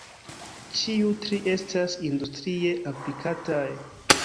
Ĉiu tri estas industrie aplikataj.